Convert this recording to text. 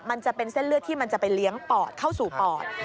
มันจะเป็นเส้นเลือดที่มันจะไปเลี้ยงปอดเข้าสู่ปอด